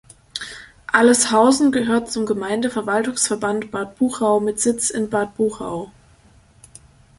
Alleshausen gehört zum Gemeindeverwaltungsverband Bad Buchau mit Sitz in Bad Buchau.